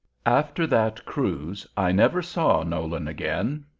After that cruise I never saw Nolan again.